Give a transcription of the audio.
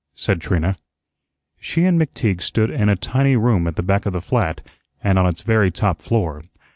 said Trina. She and McTeague stood in a tiny room at the back of the flat and on its very top floor.